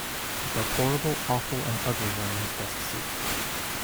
He felt horrible, awful, and ugly wearing his best suit.